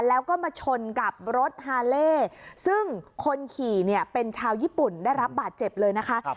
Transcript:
แล้วก็มาชนกับรถฮาเล่ซึ่งคนขี่เนี่ยเป็นชาวญี่ปุ่นได้รับบาดเจ็บเลยนะคะ